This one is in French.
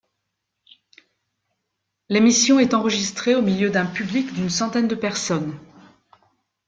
L'émission est enregistrée au milieu d'un public d'une centaine de personnes.